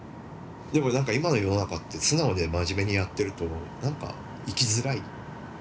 でもなんか今の世の中って素直で真面目にやってるとなんか生きづらい。